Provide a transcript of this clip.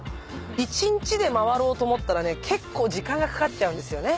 １日で回ろうと思ったらね結構時間がかかっちゃうんですよね。